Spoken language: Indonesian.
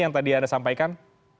yang tadi anda sampaikan